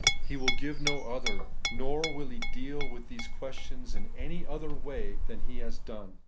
He will give no other ; nor will He deal with these questions in any other way than He has done.